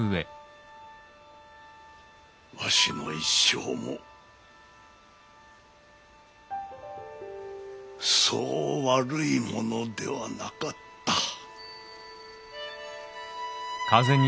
わしの一生もそう悪いものではなかった。